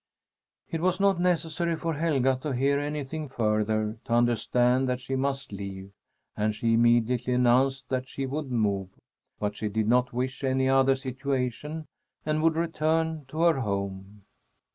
It was not necessary for Helga to hear anything further to understand that she must leave, and she immediately announced that she would move, but she did not wish any other situation and would return to her home.